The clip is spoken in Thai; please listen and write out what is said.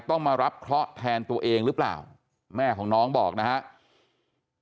ต้องมารับเคราะห์แทนตัวเองหรือเปล่าแม่ของน้องบอกนะครับ